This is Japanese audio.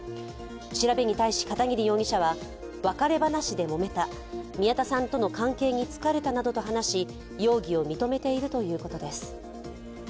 調べに対し、片桐容疑者は別れ話でもめた、宮田さんとの関係に疲れたなどと話し容疑を認めているということです。